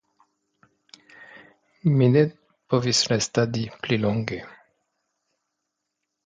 Mi ne povis restadi pli longe.